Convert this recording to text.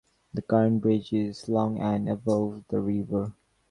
The current bridge is long and above the river.